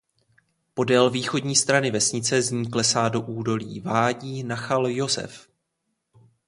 Podél východní strany vesnice z ní klesá do údolí vádí Nachal Josef.